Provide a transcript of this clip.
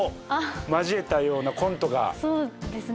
そうですね。